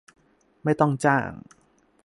ไม่ต้องจ้าง